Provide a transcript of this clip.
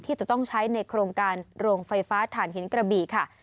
จะต้องใช้ในโครงการโรงไฟฟ้าฐานหินกระบี่ค่ะ